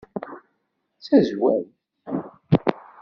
D Tazwawt.